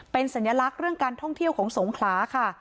เป็นสัญลักษณ์เรื่องการท่องเที่ยวของสงขลาค่ะ